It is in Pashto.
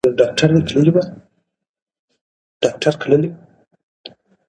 د سیرټونین کچه په رمضان کې لوړېږي.